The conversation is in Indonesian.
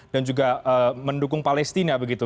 dan juga mendukung palestina begitu